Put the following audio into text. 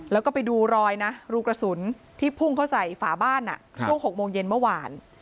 แล้วก็ไปดูรอยนะรูกระสุนที่พุ่งเข้าใส่ฝาบ้านช่วง๖โมงเย็นเมื่อวาน